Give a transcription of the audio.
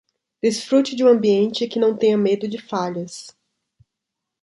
Desfrute de um ambiente que não tenha medo de falhas